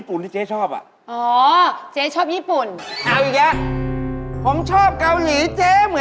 เพราะว่าเจ๊ไปรถยนต์เขานั่งรถเมล์